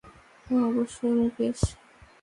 ওহ অবশ্যই, মুকেশ।